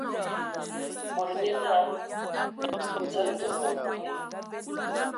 Mod nyé naa: "Dzalǝga ma nkwe !".